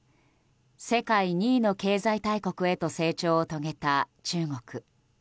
世界２位の経済大国へと成長を遂げた中国。